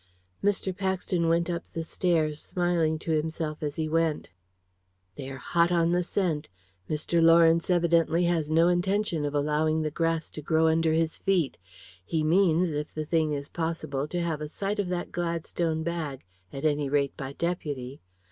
Mr. Paxton went up the stairs, smiling to himself as he went. "They are hot on the scent. Mr. Lawrence evidently has no intention of allowing the grass to grow under his feet. He means, if the thing is possible, to have a sight of that Gladstone bag, at any rate by deputy.